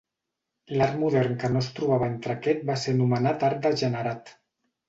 L'art modern que no es trobava entre aquest va ser anomenat art degenerat.